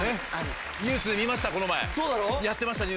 ニュースで見ました